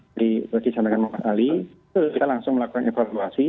jadi saya disampaikan kepada pak ali kita langsung melakukan evaluasi